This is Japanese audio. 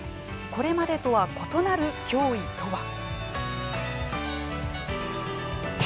これまでとは異なる脅威とは。